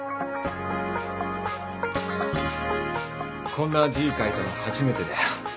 こんな字書いたの初めてだよ。